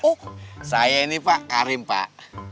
oh saya ini pak karim pak